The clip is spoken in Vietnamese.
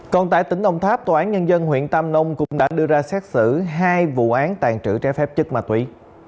còn tại tỉnh đồng tháp tòa án nhân dân huyện tam nông cũng đã đưa ra xét xử hai vụ án tàn trữ trái phép chất ma túy